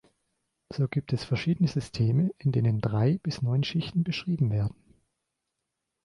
So gibt es verschiedene Systeme, in denen drei bis neun Schichten beschrieben werden.